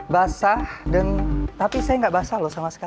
basah dan tapi saya nggak basah loh sama sekali